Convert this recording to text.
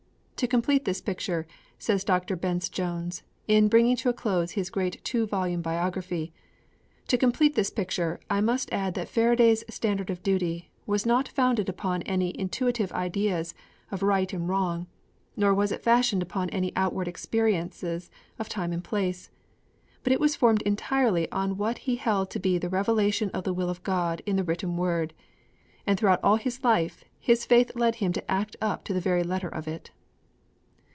_ 'To complete this picture,' says Dr. Bence Jones, in bringing to a close his great two volume biography, 'to complete this picture, I must add that Faraday's standard of duty was not founded upon any intuitive ideas of right and wrong, nor was it fashioned upon any outward experiences of time and place; but it was formed entirely on what he held to be the revelation of the will of God in the written Word, and throughout all his life his faith led him to act up to the very letter of it.'